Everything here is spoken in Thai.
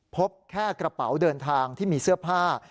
พบแค่กระเป๋าเดินทางที่มีเสื้อผ้า